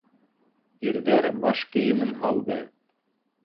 - Ирҙәр баш кейемен һалды.